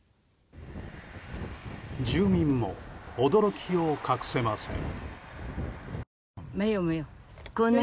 住民も驚きを隠せません。